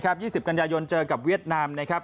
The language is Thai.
๒๐กันยายนเจอกับเวียดนาม